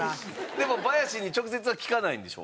でもバヤシに直接は聞かないんでしょ？